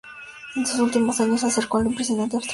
En sus últimos años se acercó al impresionismo abstracto.